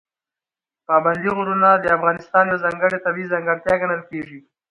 پابندي غرونه د افغانستان یوه ځانګړې طبیعي ځانګړتیا ګڼل کېږي.